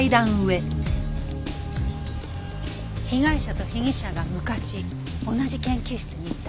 被害者と被疑者が昔同じ研究室にいた。